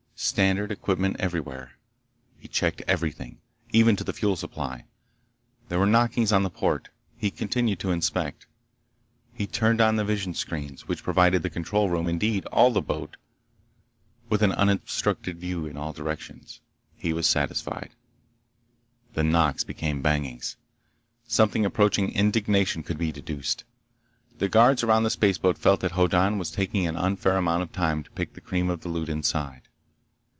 Standard equipment everywhere. He checked everything, even to the fuel supply. There were knockings on the port. He continued to inspect. He turned on the visionscreens, which provided the control room—indeed, all the boat—with an unobstructed view in all directions. He was satisfied. The knocks became bangings. Something approaching indignation could be deduced. The guards around the spaceboat felt that Hoddan was taking an unfair amount of time to pick the cream of the loot inside.